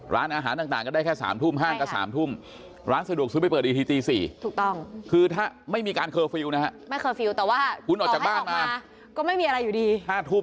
ร้านสะดวกซื้อเปิด๕ทุ่ม